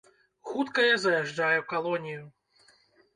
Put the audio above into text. Хуткая заязджае ў калонію.